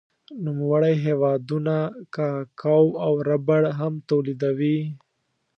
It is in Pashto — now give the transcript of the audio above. نوموړی هېوادونه کاکاو او ربړ هم تولیدوي.